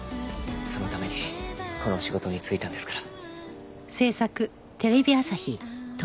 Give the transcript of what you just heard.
そのためにこの仕事に就いたんですから。